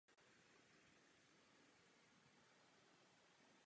Je odolný vůči výpadku jednoho disku.